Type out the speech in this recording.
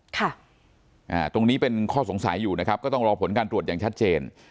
ตรงนี้เป็นข้อสงสัยอยู่นะครับก็ต้องรอผลการตรวจอย่างชัดเจน